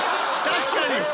確かに！